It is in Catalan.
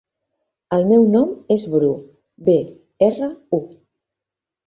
El meu nom és Bru: be, erra, u.